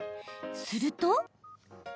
すると。